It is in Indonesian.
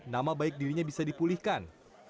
nama baik dirinya bisa dipulihkan